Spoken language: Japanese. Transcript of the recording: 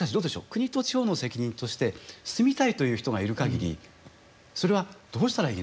国と地方の責任として住みたいという人がいる限りそれはどうしたらいいのか。